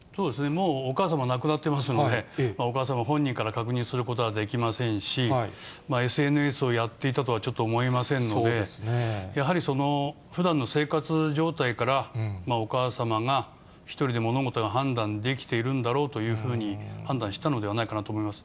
もうお母様亡くなっていますので、お母様本人から確認することはできませんし、ＳＮＳをやっていたとはちょっと思えませんので、やはりふだんの生活状態から、お母様が１人で物事が判断できているんだろうというふうに判断したのではないかなと思います。